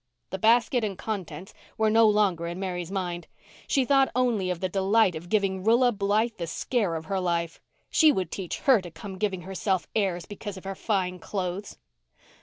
The basket and contents were no longer in Mary's mind. She thought only of the delight of giving Rilla Blythe the scare of her life. She would teach her to come giving herself airs because of her fine clothes.